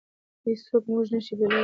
هېڅوک موږ نشي بېلولی.